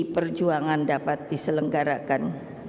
perjuangan dapat diselenggarakan